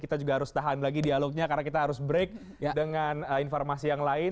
kita juga harus tahan lagi dialognya karena kita harus break dengan informasi yang lain